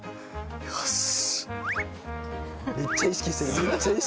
よし。